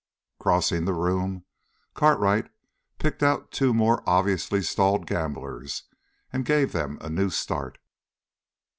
Crossing the room, Cartwright picked out two more obviously stalled gamblers and gave them a new start.